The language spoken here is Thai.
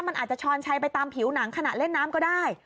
มันอาจจะช้อนชัยไปตามผิวหนังขณะเล่นน้ำก็ได้